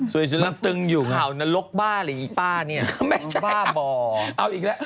สุยสุยรากตึงอยู่ไงห่าวนรกบ้าอะไรอีกอีกบ้าเนี่ยบ้าบ่อเอาอีกแล้ว